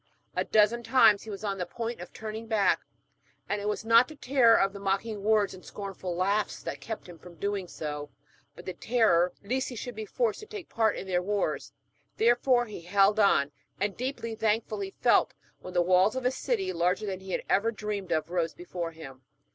A dozen times he was on the point of turning back, and it was not the terror of the mocking words and scornful laughs that kept him from doing so, but the terror lest he should be forced to take part in their wars. Therefore he held on, and deeply thankful he felt when the walls of a city, larger than he had ever dreamed of, rose before him.